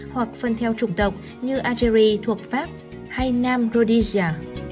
hoặc phân theo chủng tộc như algeri thuộc pháp hay nam rhodesia